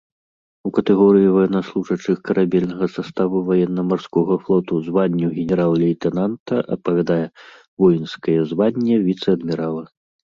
У катэгорыі ваеннаслужачых карабельнага саставу ваенна-марскога флоту званню генерал-лейтэнанта адпавядае воінскае званне віцэ-адмірала.